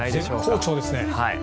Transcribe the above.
絶好調ですね。